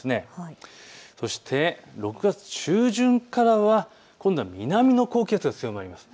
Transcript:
そして６月中旬からは今度は南の高気圧が強まります。